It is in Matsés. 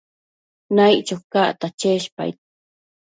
Naiccho cacta cheshpaid